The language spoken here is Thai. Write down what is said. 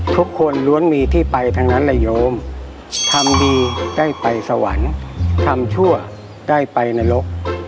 ทุกคนล้วนมีที่ไปทั้งนั้นแหละโยมทำดีได้ไปสวรรค์ทำชั่วได้ไปนรก